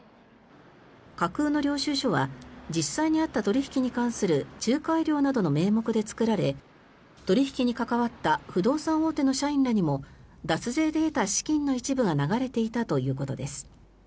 架空の領収書は実際にあった取引に関する仲介料などの名目で作られ取引に関わった不動産大手の社員らにも脱税で得た資金の一部が流れていたということです。